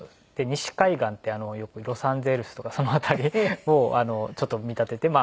西海岸ってよくロサンゼルスとかその辺りをちょっと見立てて。